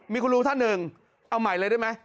มีคุณลุงท่านหนึ่งเอาใหม่เลยได้ไหม